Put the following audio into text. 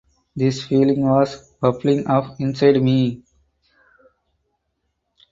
This feeling was bubbling up inside me.